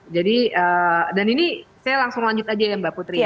jadi dan ini saya langsung lanjut aja ya mbak putri